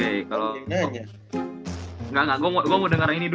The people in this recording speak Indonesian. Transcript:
mek dayo mek dayo silahkan